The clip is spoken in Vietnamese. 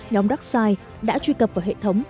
nhóm darkside đã truy cập vào hệ thống